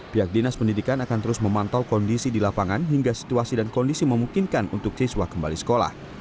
pihak dinas pendidikan akan terus memantau kondisi di lapangan hingga situasi dan kondisi memungkinkan untuk siswa kembali sekolah